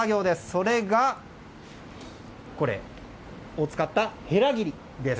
それがこれを使ったへら切りです。